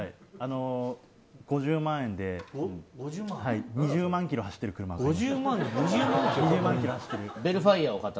５０万円で２０万ｋｍ走ってる車を。